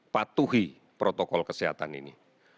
patuhi protokol kesehatan ini